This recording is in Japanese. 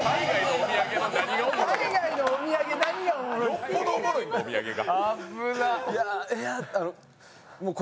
よっぽどおもろいんだ、お土産が。